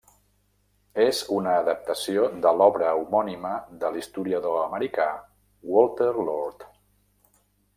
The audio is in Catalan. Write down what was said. És una adaptació de l'obra homònima de l'historiador americà Walter Lord.